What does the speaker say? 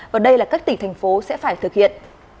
và đây là các tỉnh thành phố sẽ phải thực hiện